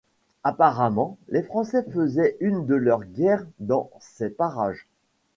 Apparemment les Français faisaient une de leurs guerres dans ces parages.